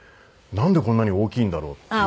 なんでこんなに大きいんだろうっていう。